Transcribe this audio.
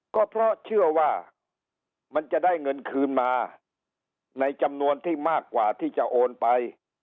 ก็เพราะเชื่อว่ามันจะได้เงินคืนมาในจำนวนที่มากกว่าที่จะโอนไป